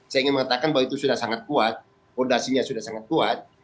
saya ingin mengatakan bahwa itu sudah sangat kuat fondasinya sudah sangat kuat